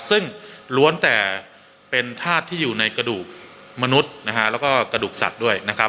ซึ่งล้วนแต่เป็นธาตุที่อยู่ในกระดูกมนุษย์นะฮะแล้วก็กระดูกสัตว์ด้วยนะครับ